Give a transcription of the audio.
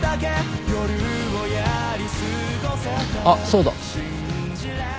あっそうだ。